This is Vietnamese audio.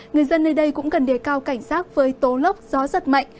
người dân nơi đây cũng cần đề cao cảnh sát với tố lốc gió giật mạnh